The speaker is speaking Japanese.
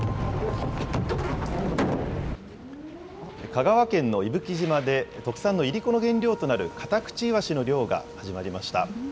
香川県の伊吹島で、特産のいりこの原料となるカタクチイワシの漁が始まりました。